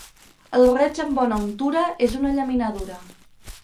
El reig amb bona untura és una llaminadura.